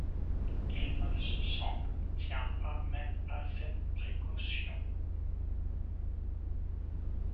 Il ne s'en tint pas même à cette précaution.